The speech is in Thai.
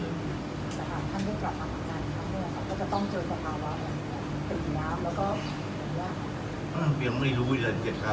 แล้วถ้าหากท่านจะไม่กลับมาหาแมนอีกครั้งหน้อแล้วก็จะต้องเจอภาวะท่าน